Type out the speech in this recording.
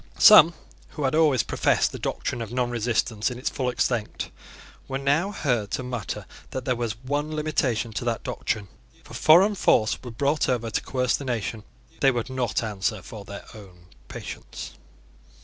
Some who had always professed the doctrine of non resistance in its full extent were now heard to mutter that there was one limitation to that doctrine. If a foreign force were brought over to coerce the nation, they would not answer for their own patience.